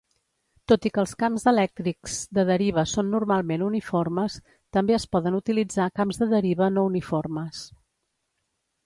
Tot i que els camps elèctrics de deriva són normalment uniformes, també es poden utilitzar camps de deriva no uniformes.